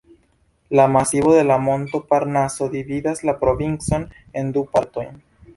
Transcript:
La masivo de la monto Parnaso dividas la provincon en du partojn.